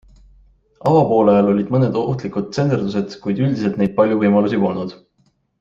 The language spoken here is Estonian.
Avapoolajal olid mõned ohtlikud tsenderdused, kuid üldiselt neil palju võimalusi polnud.